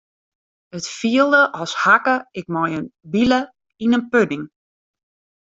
It fielde as hakke ik mei in bile yn in pudding.